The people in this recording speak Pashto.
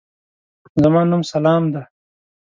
زما نوم سلام دی.